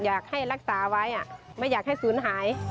อยากให้รักษาไว้ไม่อยากให้ศูนย์หาย